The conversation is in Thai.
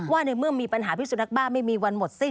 ในเมื่อมีปัญหาพิสุนักบ้าไม่มีวันหมดสิ้น